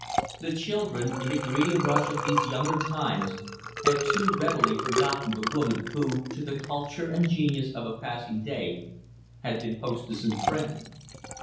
The children, in the greedy rush of these younger times, had too readily forgotten the woman who, to the culture and genius of a passing day, had been hostess and friend.